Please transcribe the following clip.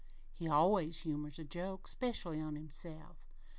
He always humors a joke 'specially on himself."